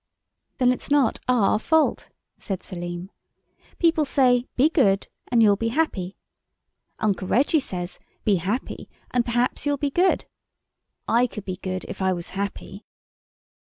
"Then it's not our fault," said Selim. "People say be good and you'll be happy. Uncle Reggy says, 'Be happy, and perhaps you'll be good.' I could be good if I was happy."